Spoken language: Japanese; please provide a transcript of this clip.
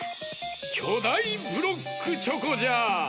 きょだいブロックチョコじゃ！